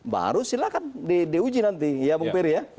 baru silahkan di uji nanti ya bung peri ya